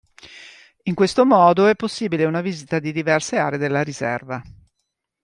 In questo modo è possibile una visita di diverse aree della riserva.